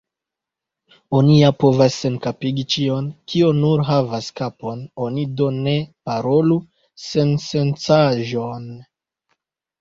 Oni ja povas senkapigi ĉion, kio nur havas kapon; oni do ne parolu sensencaĵon.